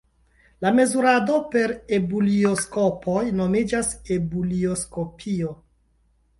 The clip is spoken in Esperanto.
La mezurado per ebulioskopoj nomiĝas ebulioskopio.